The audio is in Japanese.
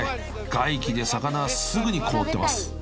［外気で魚はすぐに凍ってます］